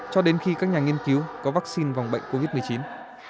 cho đến khi các nhà nghiên cứu có vaccine vòng bệnh covid một mươi chín